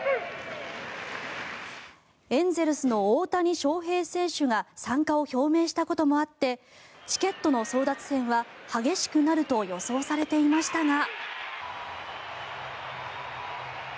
エンゼルスの大谷翔平選手が参加を表明したこともあってチケットの争奪戦は激しくなると予想されていましたが。